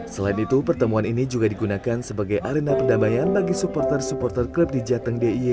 selain itu pertemuan ini juga digunakan sebagai arena pendamaian bagi supporter supporter klub di jateng d i y